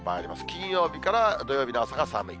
金曜日から土曜日の朝が寒い。